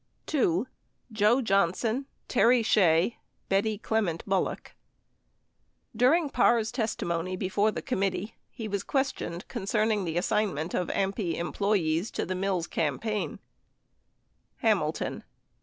2. JOE JOHNSON, TERRY SHEA, BETTY CLEMENT BULLOCK During Parr's testimony before the committee, he was questioned concerning the assignment of AMPI employees to the Mills campaign : Hamilton.